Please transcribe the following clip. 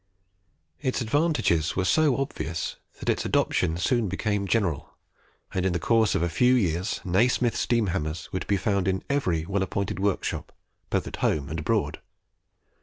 Its advantages were so obvious, that its adoption soon became general, and in the course of a few years Nasmyth steam hammers were to be found in every well appointed workshop both at home and abroad.